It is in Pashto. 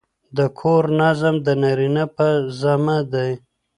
د کور نظم د نارینه په ذمه دی.